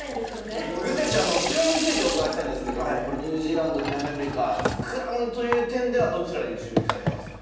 具選手、スクラムについて伺いたいんですが、ニュージーランド、南アフリカ、スクラムという点では、どちらに注目されてますか？